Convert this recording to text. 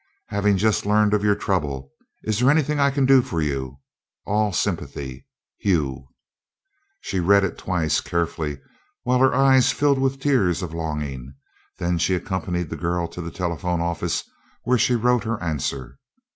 Have just learned of your trouble. Is there anything I can do for you? All sympathy. HUGH She read it twice, carefully, while her eyes filled with tears of longing, then she accompanied the girl to the telephone office where she wrote her answer.